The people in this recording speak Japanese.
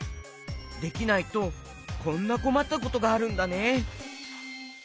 できないとこんなこまったことがあるんだね。